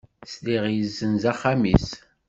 Sliɣ yezzenz axxam-is.